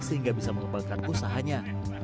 sehingga bisa mengembangkan usahanya